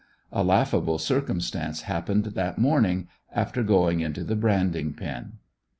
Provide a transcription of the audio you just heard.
A laughable circumstance happened that morning after going into the branding pen.